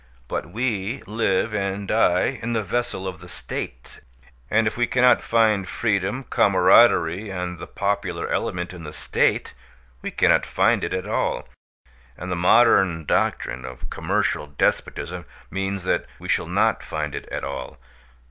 But we live and die in the vessel of the state; and if we cannot find freedom camaraderie and the popular element in the state, we cannot find it at all. And the modern doctrine of commercial despotism means that we shall not find it at all.